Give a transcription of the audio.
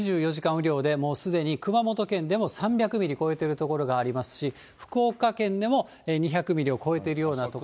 雨量でもうすでに熊本県でも３００ミリ超えてる所がありますし、福岡県でも２００ミリを超えているような所も。